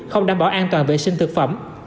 không đảm bảo an toàn vệ sinh thực phẩm